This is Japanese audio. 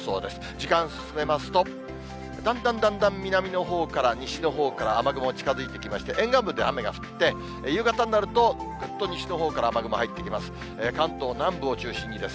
時間進めますと、だんだんだんだん南のほうから西のほうから雨雲近づいてきまして、沿岸部で雨が降って、夕方になると、ぐっと西のほうから雨雲が入ってきます。